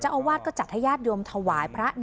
เจ้าอวาดก็จัดให้ญาติยวมเถาวาย